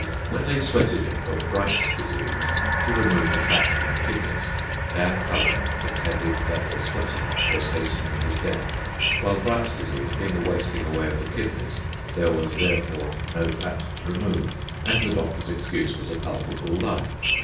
When they sweated him for Bright's disease to remove the fat from the kidneys, Dan Cullen contended that the sweating was hastening his death; while Bright's disease, being a wasting away of the kidneys, there was therefore no fat to remove, and the doctor's excuse was a palpable lie.